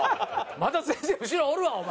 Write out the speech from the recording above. まだ全然後ろおるわお前。